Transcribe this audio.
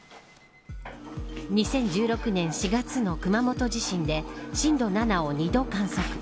２０１６年４月の熊本地震で震度７を２度観測。